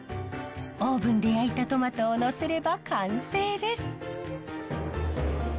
オーブンで焼いたトマトをのせれば完成です。